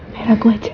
biar aku aja